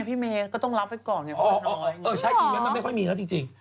พี่เมก็ต้องรับไว้ก่อน